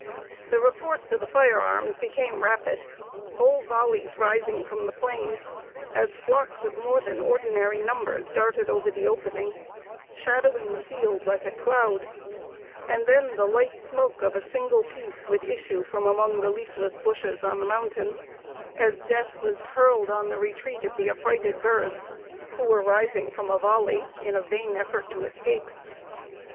The reports of the firearms became rapid, whole volleys rising from the plain, as flocks of more than ordinary numbers darted over the opening, shadowing the field like a cloud; and then the light smoke of a single piece would issue from among the leafless bushes on the mountain, as death was hurled on the retreat of the affrighted birds, who were rising from a volley, in a vain effort to escape.